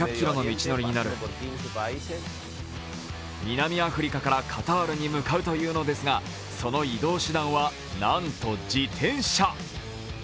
南アフリカからカタールに向かうというのですが、その移動手段は、なんと自転車。